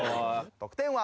得点は？